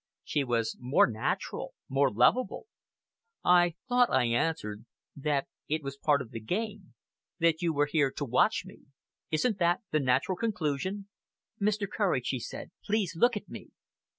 She was more natural more lovable. "I thought," I answered, "that it was part of the game! that you were here to watch me. Isn't that the natural conclusion?" "Mr. Courage," she said, "please look at me."